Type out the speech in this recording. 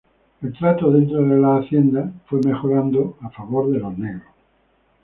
El trato dentro las haciendas fue mejorando a favor de los negros.